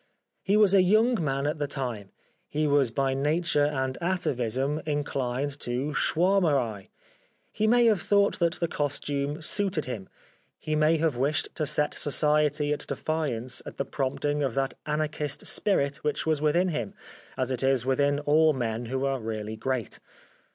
He was a young man at the time ; he was by nature and atavism inclined to Schwaermerei ; he may have thought that the costume suited him ; he may have wished to set Society at defiance at the prompting of that Anarchist spirit which was within him, as it is within all men who are really great.